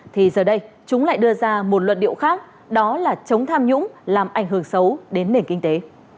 thì giờ đây chúng lại đưa ra một luận điệu khác đó là chống tham nhũng làm ảnh hưởng xấu đến nền kinh tế